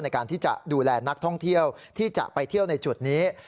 ในการที่จะดูแลนักท่องเที่ยวที่จะไปเที่ยวในจุดนี้